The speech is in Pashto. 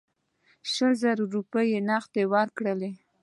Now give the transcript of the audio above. شل زره روپۍ نغدي ورکړل.